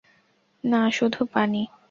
না, শুধু পানি।